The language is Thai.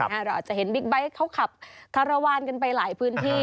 เราอาจจะเห็นบิ๊กไบท์เขาขับคารวาลกันไปหลายพื้นที่